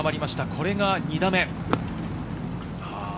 これが２打目。